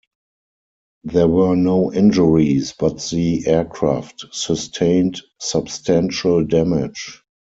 There were no injuries, but the aircraft sustained substantial damage.